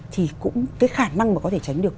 thì cũng cái khả năng mà có thể tránh được